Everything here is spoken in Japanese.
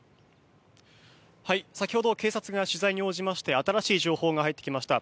先ほど警察が取材に応じまして新しい情報が入ってきました。